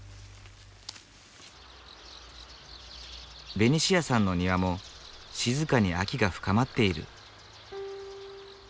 ベニシアさんの庭も静かに秋が深まっている。